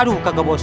aduh kakak bos